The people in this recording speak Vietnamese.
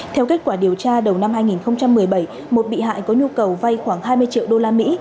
theo kết quả điều tra đầu năm hai nghìn một mươi bảy một bị hại có nhu cầu vay khoảng hai mươi triệu đô la mỹ